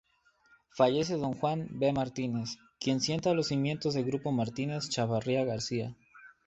Fallece Don Juan B. Martínez, quien sienta los cimientos del Grupo Martínez Chavarría-García.